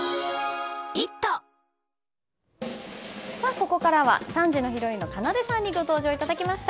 ここからは３時のヒロインのかなでさんにご登場いただきました。